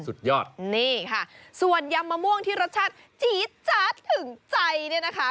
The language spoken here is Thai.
สุดยอดนี่ค่ะส่วนยำมะม่วงที่รสชาติจี๊ดจ๊าดถึงใจเนี่ยนะคะ